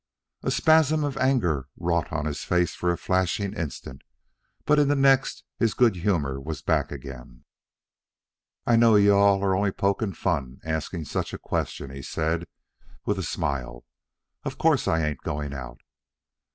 A spasm of anger wrought on his face for a flashing instant, but in the next his good humor was back again. "I know you all are only pokin' fun asking such a question," he said, with a smile. "Of course I ain't going out."